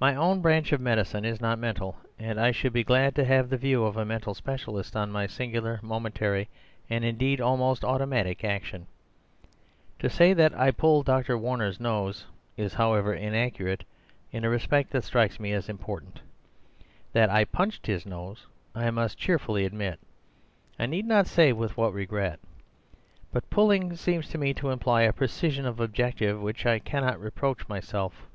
My own branch of medicine is not mental; and I should be glad to have the view of a mental specialist on my singular momentary and indeed almost automatic action. To say that I 'pulled Dr. Warner's nose,' is, however, inaccurate in a respect that strikes me as important. That I punched his nose I must cheerfully admit (I need not say with what regret); but pulling seems to me to imply a precision of objective with which I cannot reproach myself.